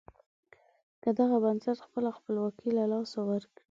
که دغه بنسټ خپله خپلواکي له لاسه ورکړي.